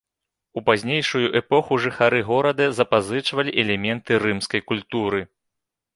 У пазнейшую эпоху жыхары горада запазычвалі элементы рымскай культуры.